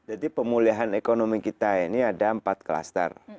jadi pemulihan ekonomi kita ini ada empat kluster